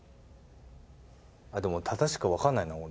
でも正しくはわかんないな俺。